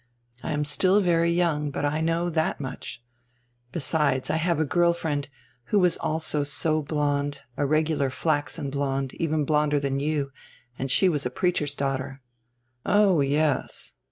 I am still very young, but I know that much. Besides, I have a girl friend, who was also so blonde, a regular flaxen blonde, even blonder than you, and she was a preacher's daughter." "Oh, yes."